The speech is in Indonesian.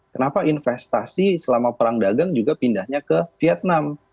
kenapa investasi selama perang dagang juga pindahnya ke vietnam